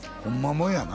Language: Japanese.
もんやな